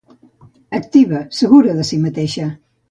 Activa, segura de si mateixa.